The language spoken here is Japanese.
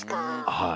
はい。